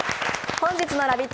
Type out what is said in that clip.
本日のラヴィット！